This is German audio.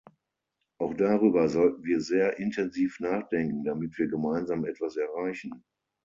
Auch darüber sollten wir sehr intensiv nachdenken, damit wir gemeinsam etwas erreichen.